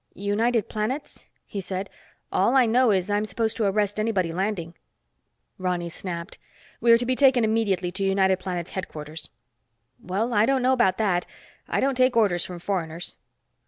"United Planets?" he said. "All I know is I'm supposed to arrest anybody landing." Ronny snapped, "We're to be taken immediately to United Planets headquarters." "Well, I don't know about that. I don't take orders from foreigners."